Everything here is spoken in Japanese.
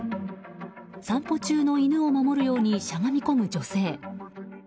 散歩中の犬を守るようにしゃがみ込む女性。